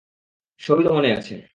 সবইতো মনে আছে!